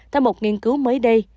theo một nghiên cứu mới đưa ra